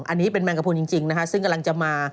อันนี้เป็นแมงกระพุนจริงนะคะซึ่งกำลังจะมา